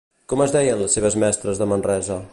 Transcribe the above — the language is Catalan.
Com es deien les seves mestres de Manresa?